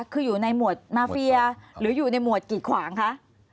คืออยู่ในหมวดมาเฟียหรืออยู่ในหมวดกิดขวางคะ